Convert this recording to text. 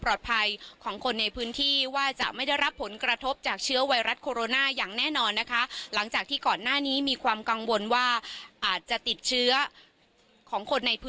ของคนในพื้นที่ว่าจะไม่ได้รับผลกระทบจากเชื้อไวรัสโคโรนาอย่างแน่นอนนะคะหลังจากที่ก่อนหน้านี้มีความกังวลว่าอาจจะติดเชื้อของคนในพ